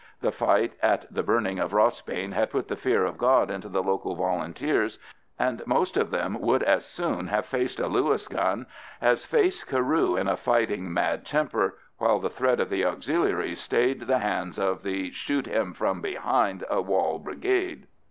The fight at the burning of Rossbane had put the fear of God into the local Volunteers, and most of them would as soon have faced a Lewis gun as face Carew in a fighting mad temper, while the threat of the Auxiliaries stayed the hands of the "shoot him from behind a wall brigade."